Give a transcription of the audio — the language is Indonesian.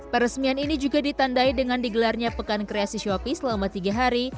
peresmian ini juga ditandai dengan digelarnya pekan kreasi shopee selama tiga hari